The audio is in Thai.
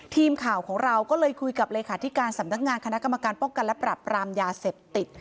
ทีมข่าวของเราก็เลยคุยกับเลขาธิการสำนักงานคณะกรรมการป้องกันและปรับปรามยาเสพติด